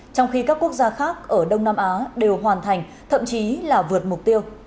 trong khi các quốc gia khác ở đông nam á đều hoàn thành thậm chí là vượt mục tiêu